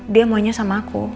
dia maunya sama aku